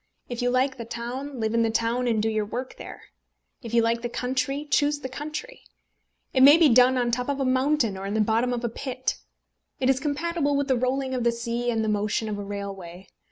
If you like the town, live in the town, and do your work there; if you like the country, choose the country. It may be done on the top of a mountain or in the bottom of a pit. It is compatible with the rolling of the sea and the motion of a railway.